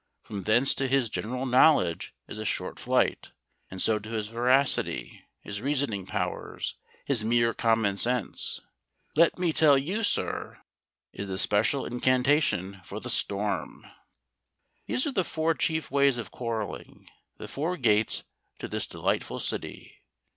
From thence to his general knowledge is a short flight, and so to his veracity, his reasoning powers, his mere common sense. "Let me tell you, sir," is the special incantation for the storm. These are the four chief ways of quarrelling, the four gates to this delightful city.